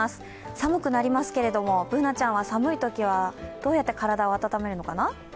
寒くなりますけれども、Ｂｏｏｎａちゃんは寒いときはどうやって体を温めるのかな。